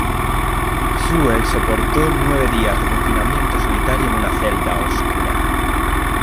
Nsue soportó nueve días de confinamiento solitario en una celda oscura.